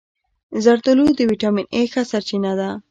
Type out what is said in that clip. زردآلو د ویټامین A ښه سرچینه ده.